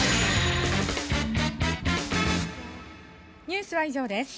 ニュースは以上です。